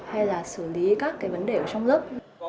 hay là xử lý các cái vấn đề ở trong lớp